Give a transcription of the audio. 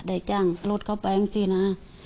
ได้จ้างลดเข้าไปด้วยสินะ